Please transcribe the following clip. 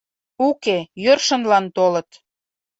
— Уке, йӧршынлан толыт.